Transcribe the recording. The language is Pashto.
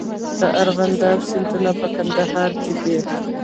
د ارغنداب سیند په کندهار کې دی